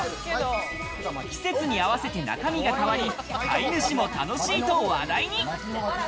季節に合わせて中身が変わり、飼い主も楽しいと話題に。